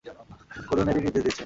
কল্যাণেরই নির্দেশ দিচ্ছেন।